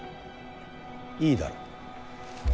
いいだろう。